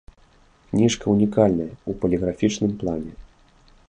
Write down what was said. Кніжка ўнікальная ў паліграфічным плане.